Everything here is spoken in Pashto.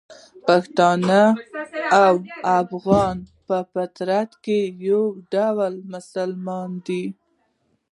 پښتون او افغان په فطري ډول مسلمان دي.